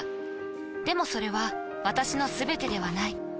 でもそれは私のすべてではない。